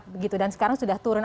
begitu dan sekarang sudah turun